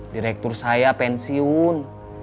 direktur saya pensiun